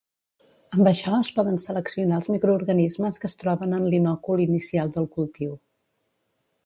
Amb això es poden seleccionar els microorganismes que es troben en l'inòcul inicial del cultiu.